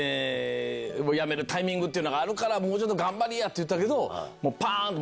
やめるタイミングってのがあるからもうちょっと頑張りや！って言ったけどもうパン！